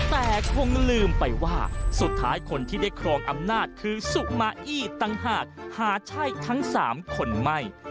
แต่คงลืมไปว่าสุดท้ายคนที่ได้ครองอำนาจคือสุมาอี้ต่างหากหาใช่ทั้ง๓คนไม่